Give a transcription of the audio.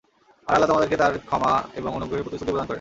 আর Allah তোমাদেরকে তাঁর ক্ষমা এবং অনুগ্রহের প্রতিশ্রুতি প্রদান করেন।